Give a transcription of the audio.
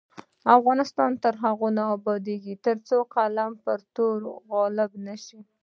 افغانستان تر هغو نه ابادیږي، ترڅو قلم پر تورې غالب نشي.